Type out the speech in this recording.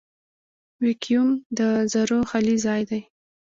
ویکیوم د ذرّو خالي ځای دی.